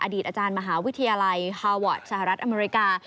อดีตอาจารย์มหาวิทยาลัยฮาวอร์ดสหรัฐอเมริกา